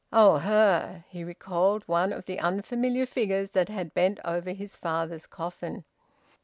"Oh! Her!" He recalled one of the unfamiliar figures that had bent over his father's coffin.